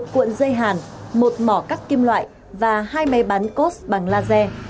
một cuộn dây hàn một mỏ cắt kim loại và hai máy bán cốt bằng laser